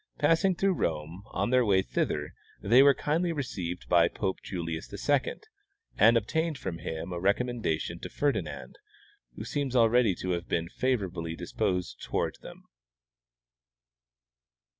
Passing through Rome, on their Avay thither, they were kindly received by Pope Julius II, and obtained from him a recom mendation to Ferdinand, who seems already to have been favorably disposed toward them.